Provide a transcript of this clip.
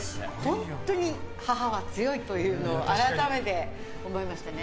本当に母は強いというのを改めて思いましたね。